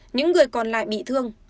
những người còn lại bị thương